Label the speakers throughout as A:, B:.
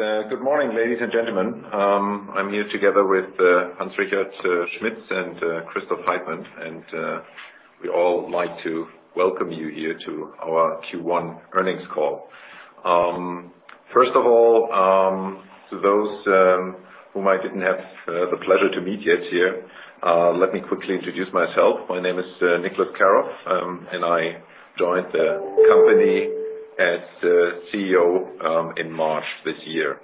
A: Yes. Good morning, ladies and gentlemen. I'm here together with Hans Richard Schmitz and Christoph Heitmann. We all like to welcome you here to our Q1 earnings call. First of all, to those whom I didn't have the pleasure to meet yet here, let me quickly introduce myself. My name is Niclas Karoff. I joined the company as CEO in March this year.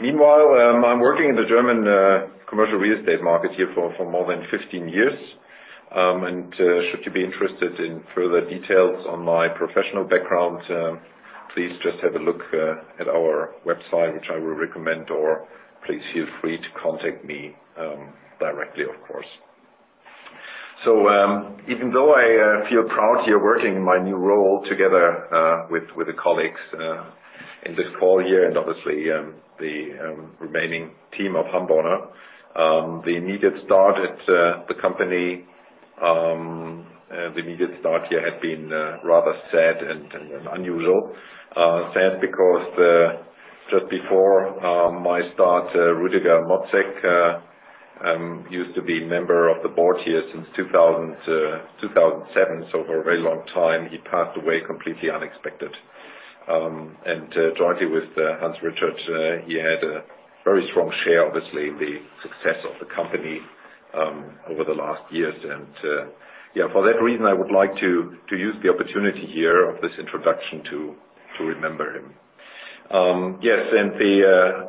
A: Meanwhile, I'm working in the German commercial real estate market here for more than 15 years. Should you be interested in further details on my professional background, please just have a look at our website, which I will recommend, or please feel free to contact me directly, of course. Even though I feel proud here working in my new role together with the colleagues in this full year and obviously the remaining team of Hamborner, the immediate start at the company, the immediate start here had been rather sad and unusual. Sad because just before my start, Rüdiger Mrotzek, used to be a member of the board here since 2007, so for a very long time. He passed away completely unexpected. Jointly with Hans Richard, he had a very strong share, obviously, in the success of the company over the last years. For that reason, I would like to use the opportunity here of this introduction to remember him.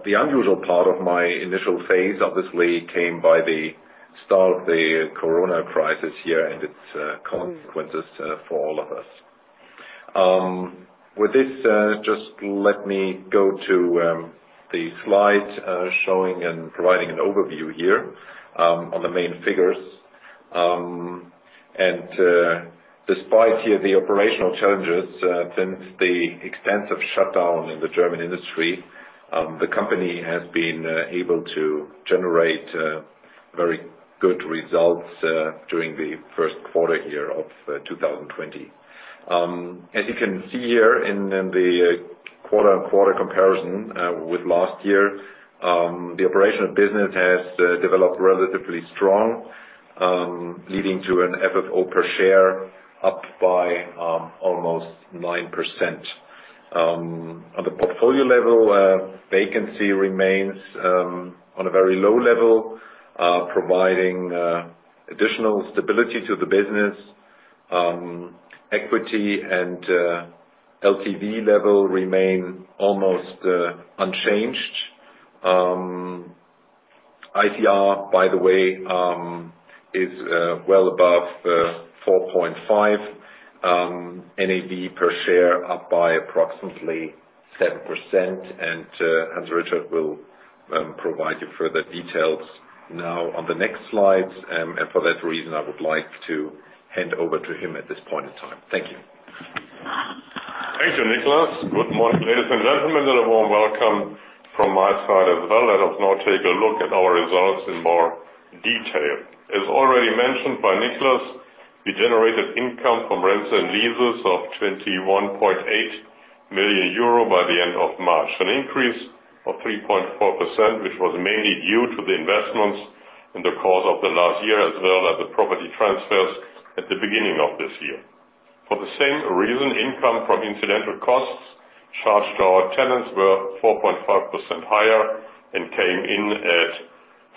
A: The unusual part of my initial phase obviously came by the start of the coronavirus crisis here and its consequences for all of us. With this, just let me go to the slide showing and providing an overview here on the main figures. Despite the operational challenges since the extensive shutdown in the German industry, the company has been able to generate very good results during the Q1 here of 2020. As you can see here in the quarter-on-quarter comparison with last year, the operational business has developed relatively strong, leading to an FFO per share up by almost 9%. On the portfolio level, vacancy remains on a very low level, providing additional stability to the business. Equity and LTV level remain almost unchanged. ICR, by the way, is well above 4.5. NAV per share up by approximately 7%, and Hans Richard will provide you further details now on the next slides. For that reason, I would like to hand over to him at this point in time. Thank you.
B: Thank you, Niclas. Good morning, ladies and gentlemen, a warm welcome from my side as well. Let us now take a look at our results in more detail. As already mentioned by Niclas, we generated income from rents and leases of 21.8 million euro by the end of March, an increase of 3.4%, which was mainly due to the investments in the course of the last year as well as the property transfers at the beginning of this year. For the same reason, income from incidental costs charged to our tenants were 4.5% higher and came in at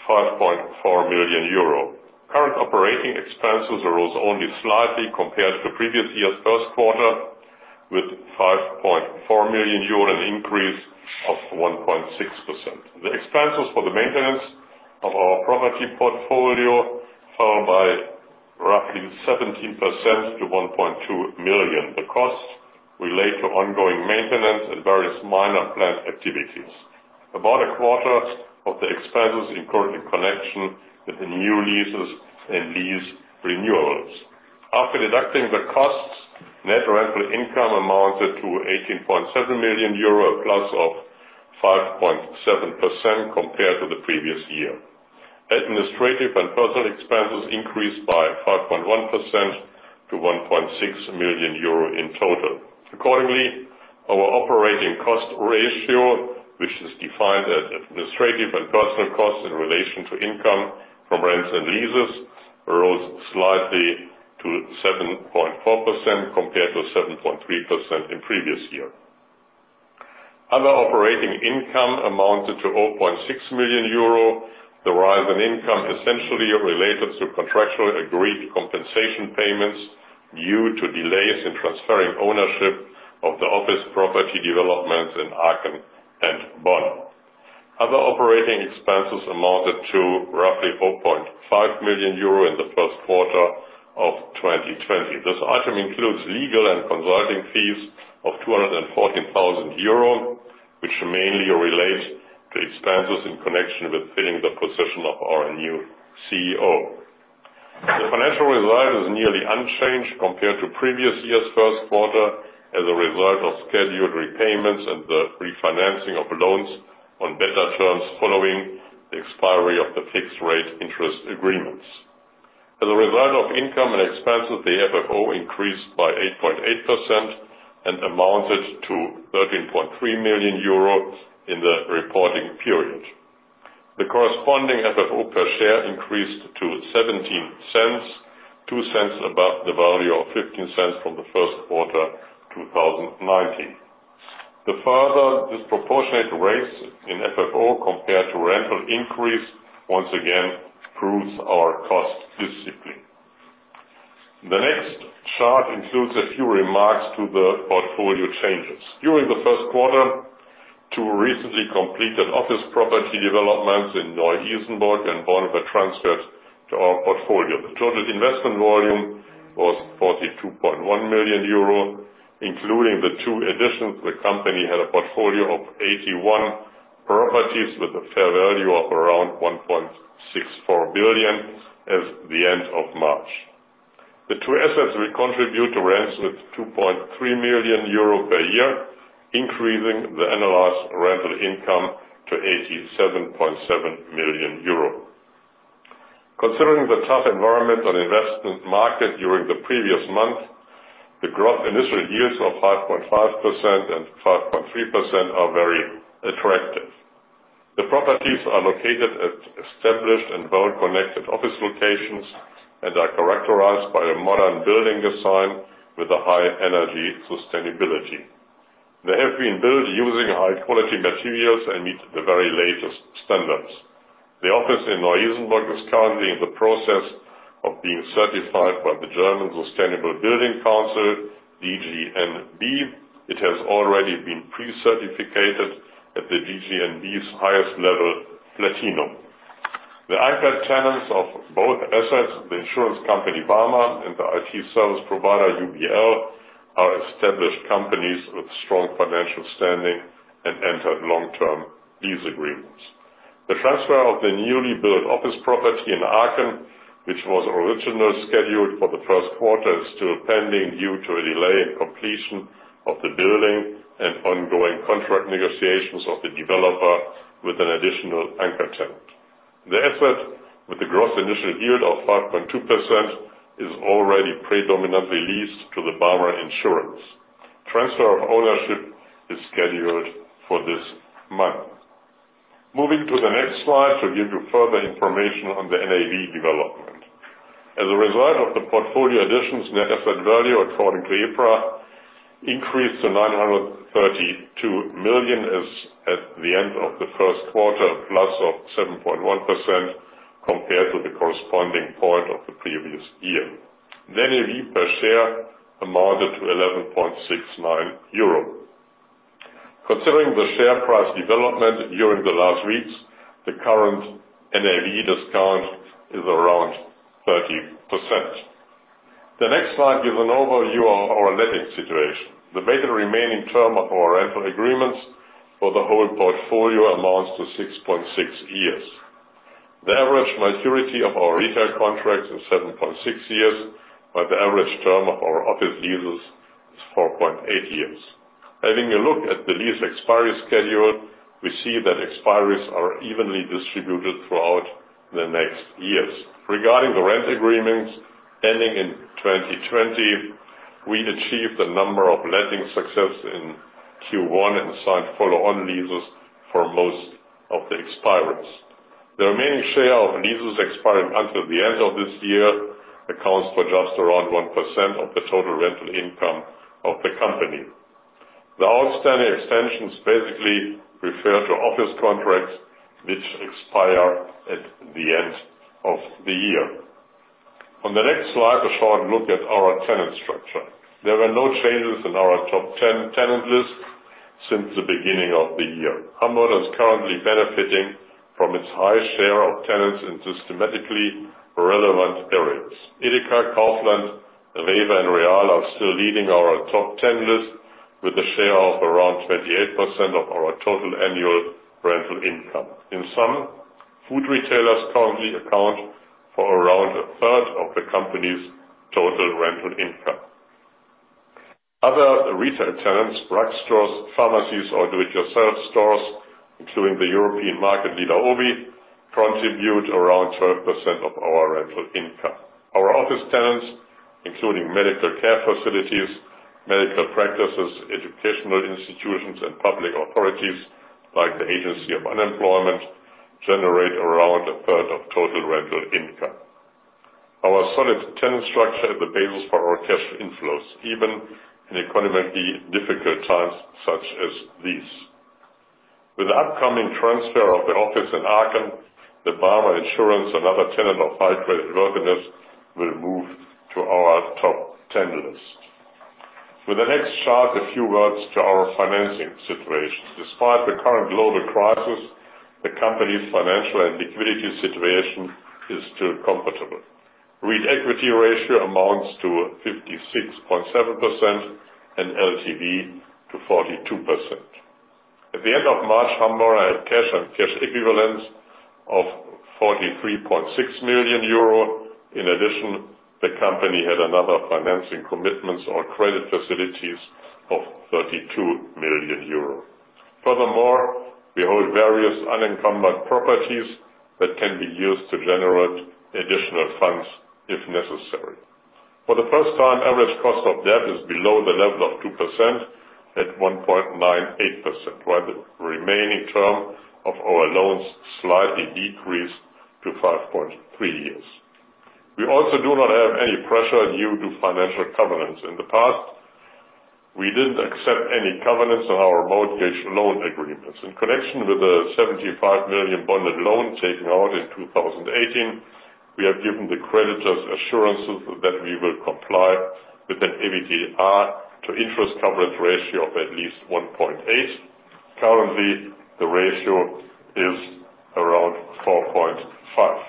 B: 5.4 million euro. Current operating expenses rose only slightly compared to previous year's Q1, with 5.4 million euro, an increase of 1.6%. The expenses for the maintenance of our property portfolio fell by roughly 17% to 1.2 million. The costs relate to ongoing maintenance and various minor planned activities. About a quarter of the expenses incurred in connection with the new leases and lease renewals. After deducting the costs, net rental income amounted to 18.7 million euro, a +5.7% compared to the previous year. Administrative and personnel expenses increased by 5.1% to 1.6 million euro in total. Accordingly, our operating cost ratio, which is defined as administrative and personnel costs in relation to income from rents and leases, rose slightly to 7.4% compared to 7.3% in previous year. Other operating income amounted to 0.6 million euro. The rise in income essentially related to contractually agreed compensation payments due to delays in transferring ownership of the office property developments in Aachen and Bonn. Other operating expenses amounted to roughly 4.5 million euro in the Q1 of 2020. This item includes legal and consulting fees of 240,000 euro, which mainly relates to expenses in connection with filling the position of our new CEO. The financial result is nearly unchanged compared to previous year's Q1 as a result of scheduled repayments and the refinancing of loans on better terms following the expiry of the fixed rate interest agreements. The FFO increased by 8.8% and amounted to 13.3 million euro in the reporting period. The corresponding FFO per share increased to 0.17, 0.02 above the value of 0.15 from the Q1 2019. The further disproportionate rates in FFO compared to rental increase once again proves our cost discipline. The next chart includes a few remarks to the portfolio changes. During the Q1, two recently completed office property developments in Neu-Isenburg and Bonn were transferred to our portfolio. The total investment volume was 42.1 million euro. Including the two additions, the company had a portfolio of 81 properties with a fair value of around 1.64 billion as the end of March. The two assets will contribute to rents with 2.3 million euro per year, increasing the annualized rental income to 87.7 million euro. Considering the tough environment on investment market during the previous month, the gross initial yields of 5.5% and 5.3% are very attractive. The properties are located at established and well-connected office locations and are characterized by a modern building design with a high energy sustainability. They have been built using high-quality materials and meet the very latest standards. The office in Neu-Isenburg is currently in the process of being certified by the German Sustainable Building Council, DGNB. It has already been pre-certified at the DGNB's highest level, platinum. The anchor tenants of both assets, the insurance company BARMER and the IT service provider UBL, are established companies with strong financial standing and entered long-term lease agreements. The transfer of the newly built office property in Aachen, which was originally scheduled for the Q1, is still pending due to a delay in completion of the building and ongoing contract negotiations of the developer with an additional anchor tenant. The asset with a gross initial yield of 5.2% is already predominantly leased to the BARMER insurance. Transfer of ownership is scheduled for this month. Moving to the next slide to give you further information on the NAV development. As a result of the portfolio additions, net asset value according to EPRA increased to 932 million as at the end of the Q1, +7.1% compared to the corresponding point of the previous year. NAV per share amounted to 11.69 euro. Considering the share price development during the last weeks, the current NAV discount is around 30%. The next slide gives an overview of our letting situation. The weighted remaining term of our rental agreements for the whole portfolio amounts to 6.6 years. The average maturity of our retail contracts is 7.6 years, while the average term of our office leases is 4.8 years. Having a look at the lease expiry schedule, we see that expiries are evenly distributed throughout the next years. Regarding the rent agreements ending in 2020, we achieved a number of letting success in Q1 and signed follow-on leases for most of the expiries. The remaining share of leases expiring until the end of this year accounts for just around 1% of the total rental income of the company. The outstanding extensions basically refer to office contracts which expire at the end of the year. On the next slide, a short look at our tenant structure. There were no changes in our top 10 tenant list since the beginning of the year. Hamborner is currently benefiting from its high share of tenants in systematically relevant areas. EDEKA, Kaufland, REWE, and real are still leading our top 10 list with a share of around 28% of our total annual rental income. In sum, food retailers currently account for around a third of the company's total rental income. Other retail tenants, drugstores, pharmacies, or do-it-yourself stores, including the European market leader OBI, contribute around 12% of our rental income. Our office tenants, including medical care facilities, medical practices, educational institutions, and public authorities like the Bundesagentur für Arbeit, generate around a third of total rental income. Our solid tenant structure is the basis for our cash inflows, even in economically difficult times such as these. With the upcoming transfer of the office in Aachen, the BARMER insurance, another tenant of high creditworthiness, will move to our top 10 list. With the next chart, a few words to our financing situation. Despite the current global crisis, the company's financial and liquidity situation is still comfortable. REIT equity ratio amounts to 56.7% and LTV to 42%. At the end of March, Hamborner had cash and cash equivalents of 43.6 million euro. The company had another financing commitments or credit facilities of 32 million euro. Furthermore, we hold various unencumbered properties that can be used to generate additional funds if necessary. For the first time, average cost of debt is below the level of 2% at 1.98%, while the remaining term of our loans slightly decreased to 5.3 years. We also do not have any pressure due to financial covenants. In the past, we didn't accept any covenants on our mortgage loan agreements. In connection with the 75 million bonded loan taken out in 2018, we have given the creditors assurances that we will comply with an EBITDA to interest coverage ratio of at least 1.8. Currently, the ratio is around 4.5.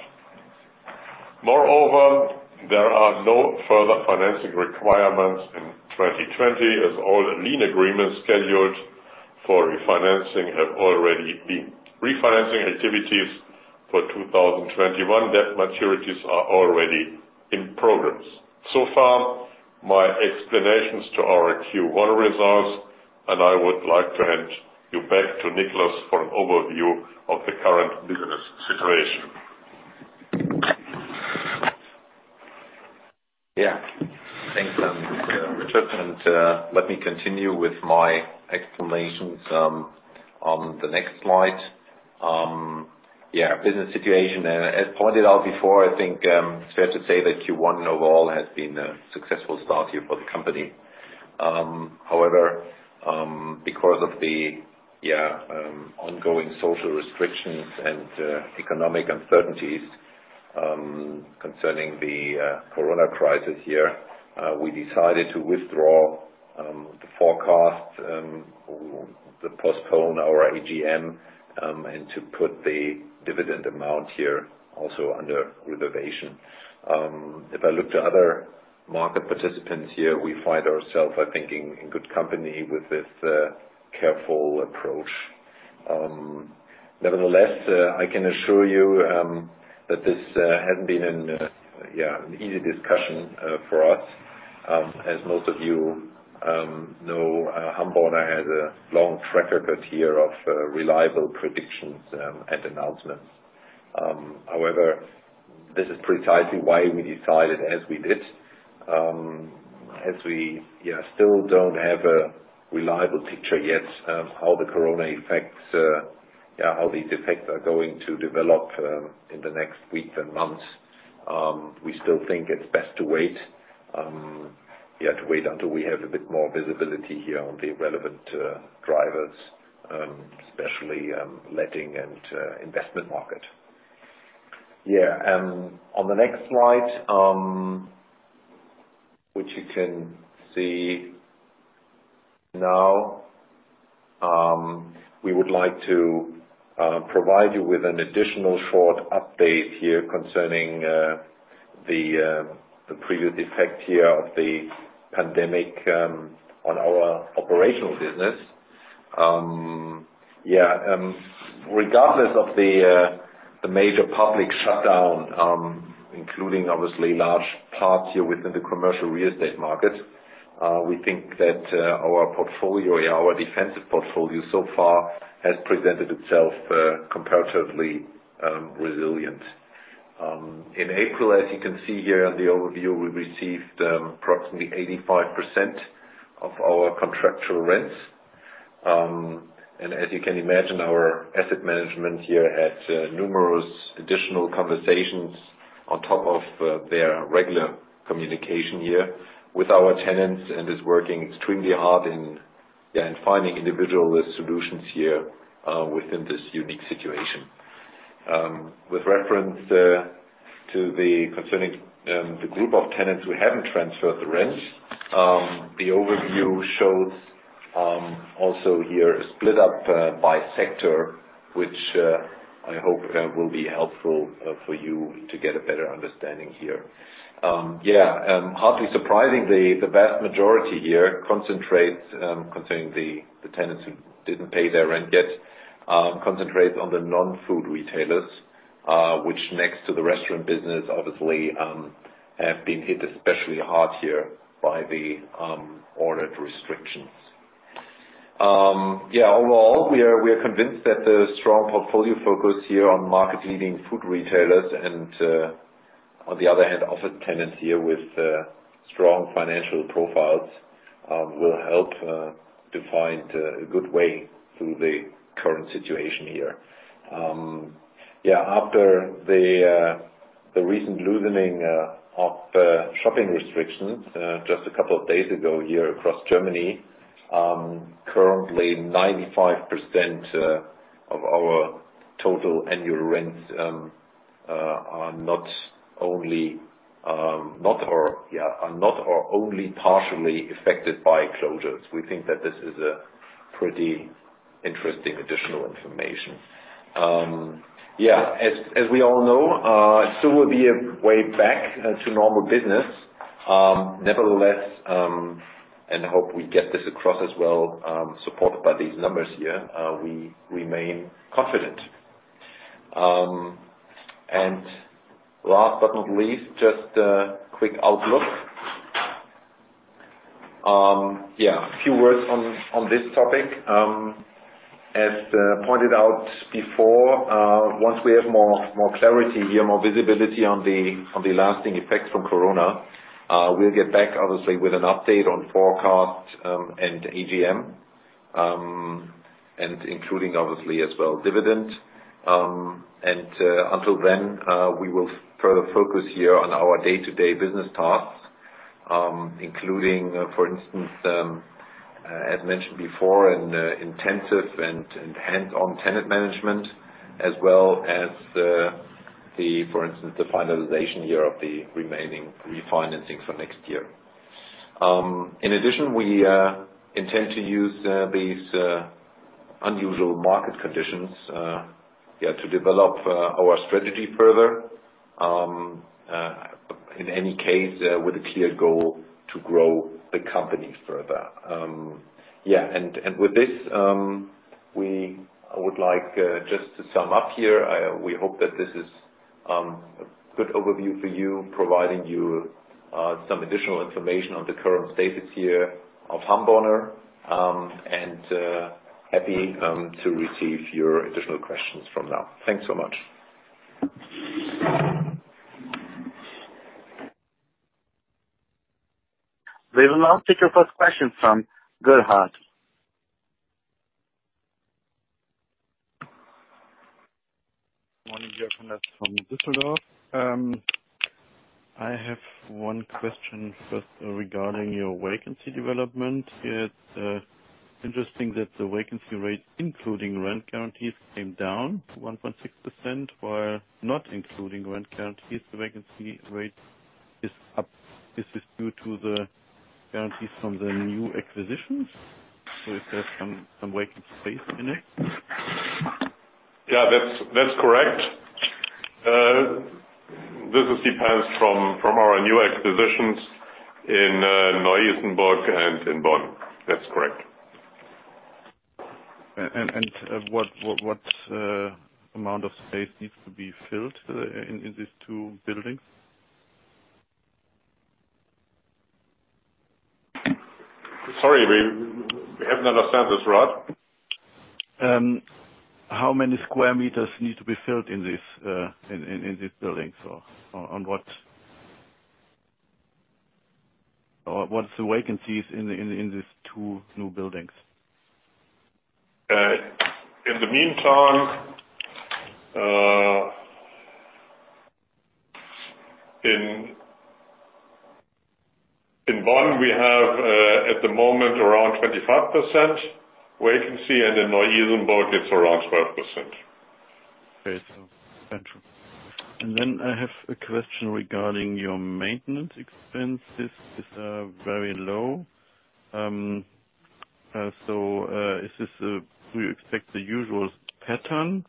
B: Moreover, there are no further financing requirements in 2020 as all loan agreements scheduled for refinancing have already been refinancing. Activities for 2021 debt maturities are already in progress. Far, my explanations to our Q1 results, and I would like to hand you back to Niclas for an overview of the current business situation.
A: Thanks, Richard, let me continue with my explanations on the next slide. Business situation. As pointed out before, I think it's fair to say that Q1 overall has been a successful start here for the company. Because of the ongoing social restrictions and economic uncertainties concerning the Corona crisis here, we decided to withdraw the forecast, to postpone our AGM, and to put the dividend amount here also under reservation. If I look to other market participants here, we find ourselves, I think, in good company with this careful approach. Nevertheless, I can assure you that this hasn't been an easy discussion for us. As most of you know, Hamborner has a long track record here of reliable predictions and announcements. This is precisely why we decided as we did. We still don't have a reliable picture yet how the Corona effects are going to develop in the next weeks and months. We still think it's best to wait until we have a bit more visibility here on the relevant drivers, especially letting and investment market. On the next slide, which you can see now. We would like to provide you with an additional short update here concerning the previous effect here of the pandemic on our operational business. Regardless of the major public shutdown, including obviously large parts here within the commercial real estate market, we think that our defensive portfolio so far has presented itself comparatively resilient. In April, as you can see here on the overview, we received approximately 85% of our contractual rents. As you can imagine, our asset management here had numerous additional conversations on top of their regular communication here with our tenants and is working extremely hard in finding individual solutions here within this unique situation. With reference concerning the group of tenants who haven't transferred the rents. The overview shows also here a split up by sector, which I hope will be helpful for you to get a better understanding here. Hardly surprisingly, the vast majority here containing the tenants who didn't pay their rent yet, concentrates on the non-food retailers, which next to the restaurant business, obviously, have been hit especially hard here by the ordered restrictions. Overall, we are convinced that the strong portfolio focus here on market-leading food retailers and on the other hand, office tenants here with strong financial profiles, will help to find a good way through the current situation here. After the recent loosening of shopping restrictions just a couple of days ago here across Germany. Currently, 95% of our total annual rents are not or only partially affected by closures. We think that this is a pretty interesting additional information. We all know, it still will be a way back to normal business. I hope we get this across as well, supported by these numbers here, we remain confident. Last but not least, just a quick outlook. A few words on this topic. As pointed out before, once we have more clarity here, more visibility on the lasting effects from COVID, we'll get back, obviously, with an update on forecast, and AGM, and including obviously as well, dividend. Until then, we will further focus here on our day-to-day business tasks, including, for instance, as mentioned before, an intensive and hands-on tenant management, as well as, for instance, the finalization here of the remaining refinancing for next year. In addition, we intend to use these unusual market conditions to develop our strategy further. In any case, with a clear goal to grow the company further. With this, I would like just to sum up here. We hope that this is a good overview for you, providing you some additional information on the current status here of Hamborner. Happy to receive your additional questions from now. Thanks so much.
C: We will now take your first question from Gerhard.
D: Morning, Hans. That's from Düsseldorf. I have one question first regarding your vacancy development. It's interesting that the vacancy rate, including rent guarantees, came down 1.6%, while not including rent guarantees, the vacancy rate is up. Is this due to the guarantees from the new acquisitions? If there's some vacant space in it.
B: Yeah, that's correct. This depends from our new acquisitions in Neu-Isenburg and in Bonn. That's correct.
D: What amount of space needs to be filled in these two buildings?
B: Sorry, we haven't understand this, Gerhard.
D: How many square meters need to be filled in these buildings, or what's the vacancies in these two new buildings?
B: In the meantime, in Bonn, we have, at the moment, around 25% vacancy, and in Neu-Isenburg, it's around 12%.
D: Okay. Central. I have a question regarding your maintenance expenses. It's very low. We expect the usual pattern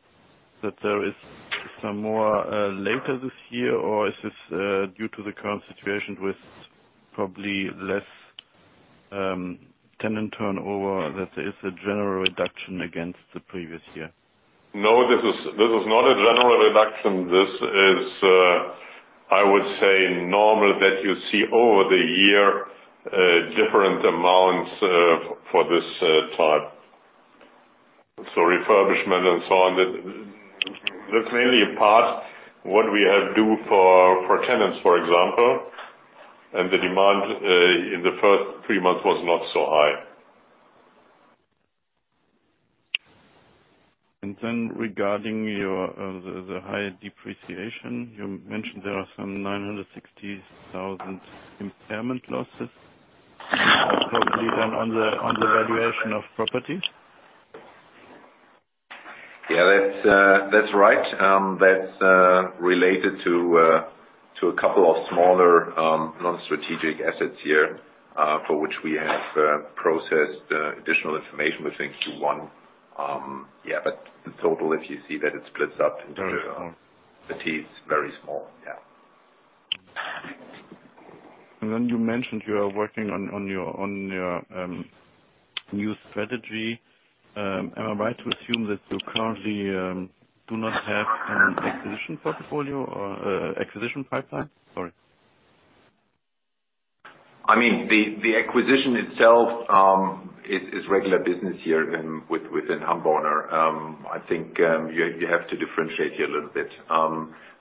D: that there is some more later this year? Is this due to the current situation with probably less tenant turnover, that there is a general reduction against the previous year?
B: No, this is not a general reduction. This is, I would say, normal that you see over the year, different amounts for this type. Refurbishment and so on. That's mainly a part what we have due for tenants, for example, and the demand in the first three months was not so high.
D: Regarding the high depreciation, you mentioned there are some 960,000 impairment losses, probably then on the valuation of properties?
B: That's right. That's related to a couple of smaller, non-strategic assets here, for which we have processed additional information, possibly an ASR. In total, if you see that it splits up into it's very small.
D: Then you mentioned you are working on your new strategy. Am I right to assume that you currently do not have an acquisition portfolio or acquisition pipeline? Sorry.
A: The acquisition itself, is regular business here within Hamborner. I think, you have to differentiate here a little bit.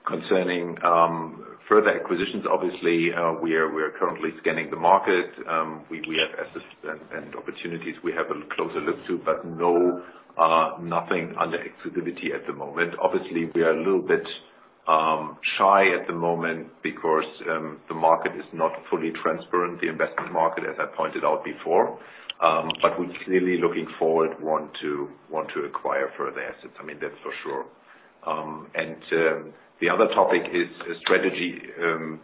A: Concerning further acquisitions, obviously, we are currently scanning the market. We have assets and opportunities we have a closer look to, no, nothing under exclusivity at the moment. Obviously, we are a little bit shy at the moment because the market is not fully transparent, the investment market, as I pointed out before. We're clearly looking forward, want to acquire further assets. That's for sure. The other topic is strategy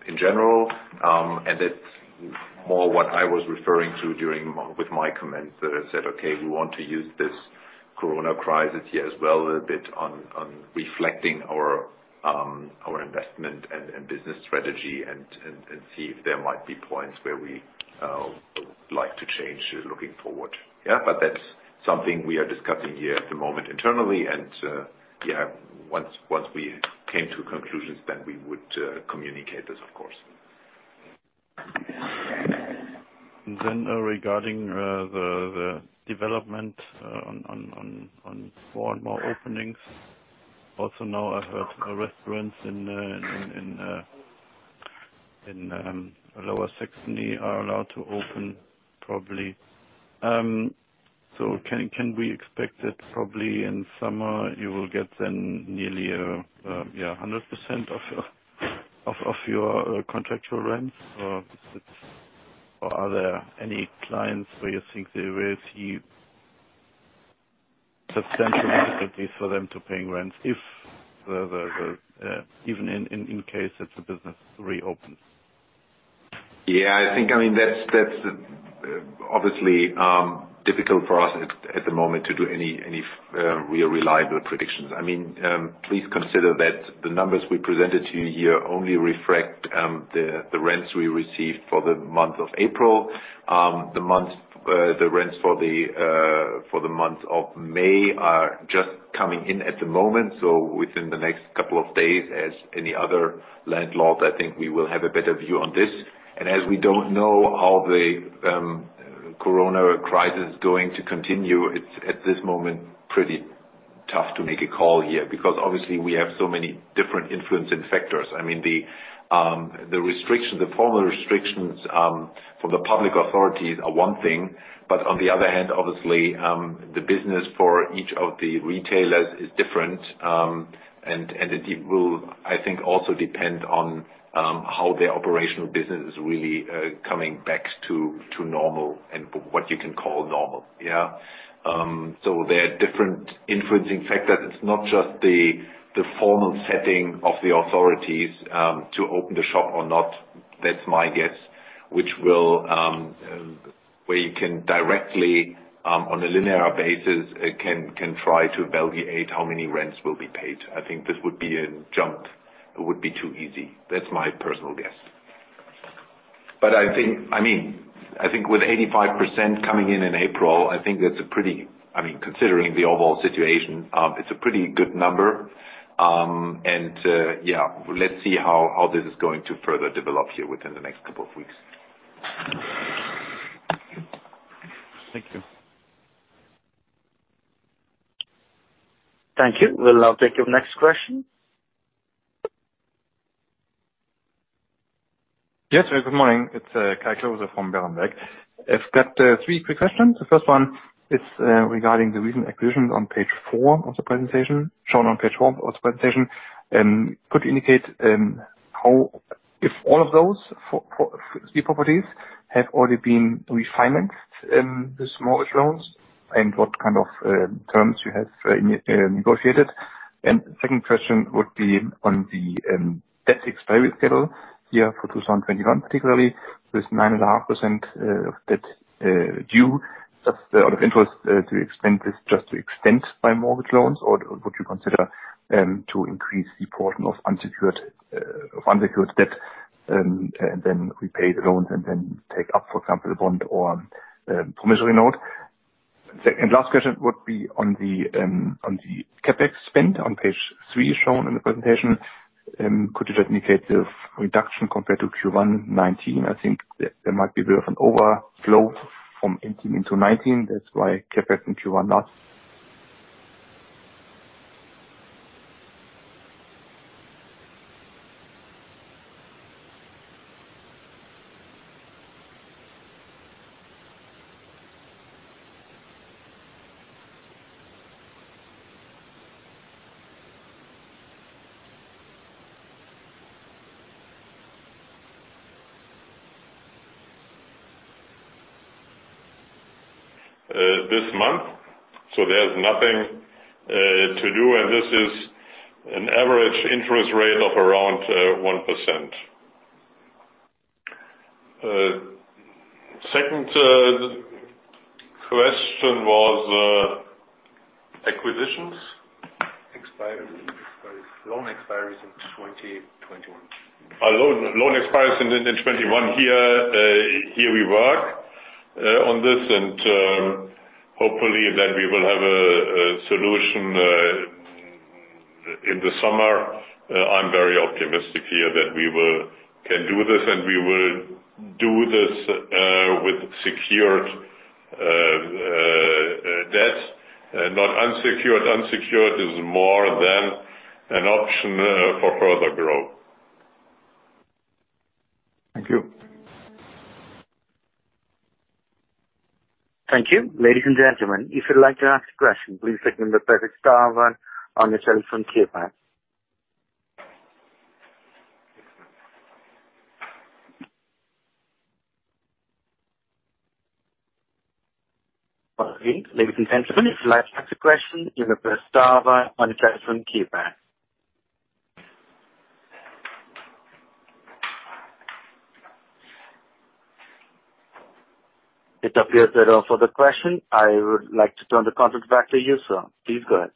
A: in general, and that's more what I was referring to with my comments that I said, okay, we want to use this COVID crisis here as well a bit on reflecting on The strategy and see if there might be points where we like to change looking forward. That's something we are discussing here at the moment internally and once we came to conclusions, we would communicate this of course.
D: Regarding the development on four more openings. Now I've heard restaurants in Lower Saxony are allowed to open probably. Can we expect that probably in summer you will get then nearly 100% of your contractual rents? Are there any clients where you think there is substantial difficulties for them to paying rents even in case that the business reopens?
A: Yeah, I think that's obviously difficult for us at the moment to do any real reliable predictions. Please consider that the numbers we presented to you here only reflect the rents we received for the month of April. The rents for the month of May are just coming in at the moment. Within the next couple of days, as any other landlord, I think we will have a better view on this. As we don't know how the corona crisis is going to continue, it's at this moment pretty tough to make a call here because obviously we have so many different influencing factors. The formal restrictions from the public authorities are one thing, but on the other hand, obviously, the business for each of the retailers is different. It will, I think also depend on how their operational business is really coming back to normal and what you can call normal. Yeah. There are different influencing factors. It's not just the formal setting of the authorities, to open the shop or not. That's my guess, where you can directly, on a linear basis, can try to evaluate how many rents will be paid. I think this would be a jump. It would be too easy. That's my personal guess. I think with 85% coming in in April, I think that's a pretty, considering the overall situation, it's a pretty good number. Yeah, let's see how this is going to further develop here within the next couple of weeks.
D: Thank you.
C: Thank you. We'll now take your next question.
E: Yes. Good morning. It's Kai Klose from Berenberg. I've got three quick questions. The first one is regarding the recent acquisitions on page four of the presentation, shown on page four of the presentation. Could you indicate if all of those three properties have already been refinanced in the mortgage loans and what kind of terms you have negotiated? Second question would be on the debt expiry schedule here for 2021, particularly with 9.5% of debt due. Just out of interest to extend this just to extend by mortgage loans or would you consider to increase the portion of unsecured debt, and then repay the loans and then take up, for example, a bond or promissory note? Last question would be on the CapEx spend on page three shown in the presentation. Could you just indicate the reduction compared to Q1 2019? I think there might be a bit of an overflow from 2018 into 2019. That's why CapEx in Q1 not
B: This month, there's nothing to do. This is an average interest rate of around 1%. Second question was acquisitions.
E: Expiration. Loan expiry is in 2021.
B: Loan expires in 2021 here. Here we work on this and hopefully then we will have a solution in the summer. I'm very optimistic here that we can do this, and we will do this with secured debt, not unsecured. Unsecured is more than an option for further growth.
E: Thank you.
C: Thank you. Ladies and gentlemen, if you'd like to ask a question, please press the star one on your telephone keypad. Once again, ladies and gentlemen, if you'd like to ask a question, you may press star one on your telephone keypad. It appears there are no further questions. I would like to turn the conference back to you, sir. Please go ahead.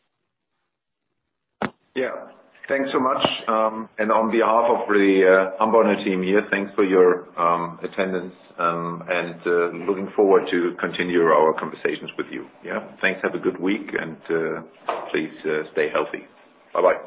A: Yeah. Thanks so much. On behalf of the Hamborner team here, thanks for your attendance, and looking forward to continue our conversations with you. Yeah. Thanks, have a good week and, please stay healthy. Bye-bye.